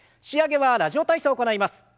仕上げは「ラジオ体操」を行います。